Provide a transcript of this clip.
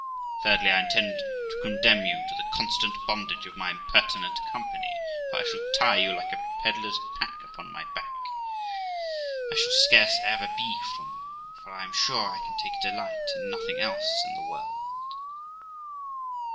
Thirdly, I intend to condemn you to the constant bondage of my impertinent company, for I shall tie you like a pedlar's pack at my back. I shall scarce ever be from you; for I am sure I can take delight in nothing else in this world.'